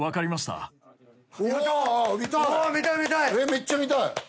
めっちゃ見たい。